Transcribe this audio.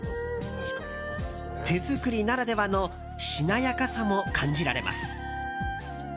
手作りならではのしなやかさも感じられます。